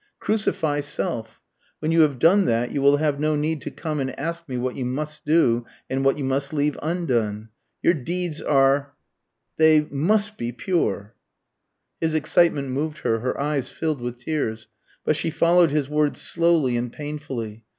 Crucify self. When you have done that, you will have no need to come and ask me what you must do and what you must leave undone. Your deeds are they must be pure." His excitement moved her, her eyes filled with tears; but she followed his words slowly and painfully.